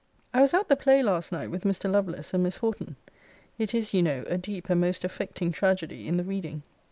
I was at the play last night with Mr. Lovelace and Miss Horton. It is, you know, a deep and most affecting tragedy in the reading.